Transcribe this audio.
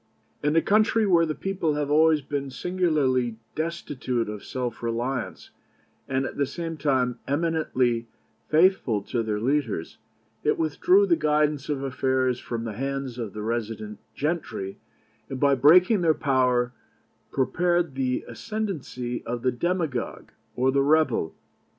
In a country where the people have always been singularly destitute of self reliance, and at the same time eminently faithful to their leaders, it withdrew the guidance of affairs from the hands of the resident gentry, and, by breaking their power, prepared the ascendency of the demagogue or the rebel.